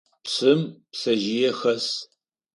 Псым пцэжъые хэс.